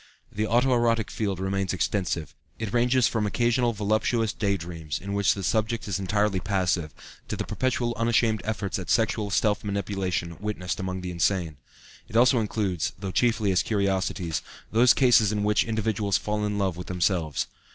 The auto erotic field remains extensive; it ranges from occasional voluptuous day dreams, in which the subject is entirely passive, to the perpetual unashamed efforts at sexual self manipulation witnessed among the insane. It also includes, though chiefly as curiosities, those cases in which individuals fall in love with themselves.